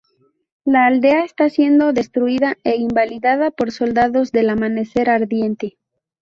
La aldea está siendo destruida e invadida por soldados del Amanecer Ardiente.